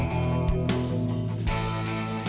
saya punya orang bersatu di rumah